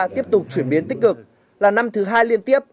tiếp tục chuyển biến tích cực là năm thứ hai liên tiếp